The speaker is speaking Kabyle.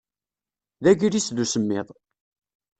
D agris d usemmiḍ.